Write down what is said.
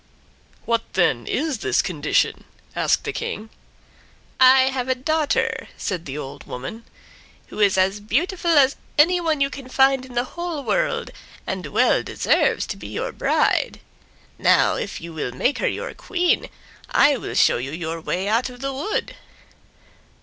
"What, then, is this condition?" asked the King. "I have a daughter," said the old woman, "who is as beautiful as anyone you can find in the whole world, and well deserves to be your bride. Now, if you will make her your Queen, I will show you your way out of the wood."